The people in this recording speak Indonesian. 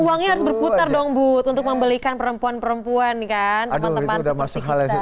uangnya harus berputar dong bu untuk membelikan perempuan perempuan kan teman teman seperti kita